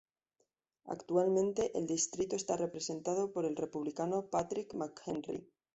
Actualmente el distrito está representado por el Republicano Patrick McHenry.